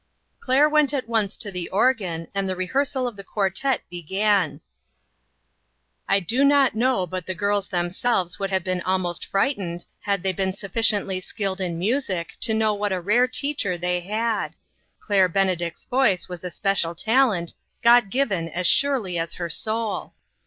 Claire went at once to the organ, and the rehearsal of the quartette began. I do not know but the girls themselves would have been almost frightened had they been sufficiently skilled in music to know what a rare teacher they had. Claire Bene dict's voice was a special talent, God given as surely as her soul.